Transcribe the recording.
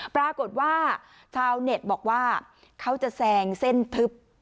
ปรากฏว่าชาวเน็ตบอกว่าเขาจะแซงเส้นทึบ